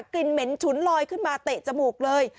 กลิ่นเหม็นฉุนลอยขึ้นมาเตะจมูกเลย